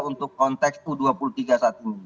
untuk konteks u dua puluh tiga saat ini